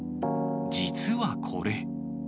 実はこれ。